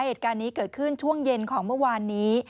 เหตุการณ์นี้เกิดขึ้นช่วงเย็นของเมื่อวานนี้